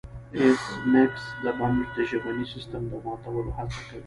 ایس میکس د بم د ژبني سیستم د ماتولو هڅه کوي